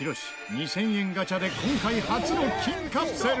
２０００円ガチャで今回初の金カプセル！